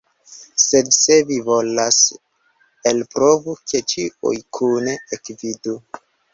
Sed se vi volas, elprovu, ke ĉiuj kune ekvidu.